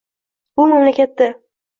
Bu mamlakatda